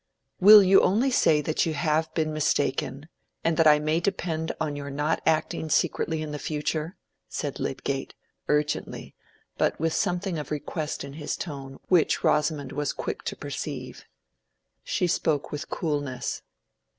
"Will you only say that you have been mistaken, and that I may depend on your not acting secretly in future?" said Lydgate, urgently, but with something of request in his tone which Rosamond was quick to perceive. She spoke with coolness.